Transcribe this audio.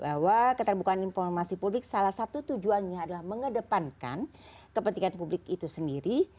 bahwa keterbukaan informasi publik salah satu tujuannya adalah mengedepankan kepentingan publik itu sendiri